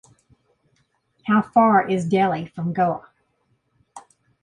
How far is Delhi from Goa?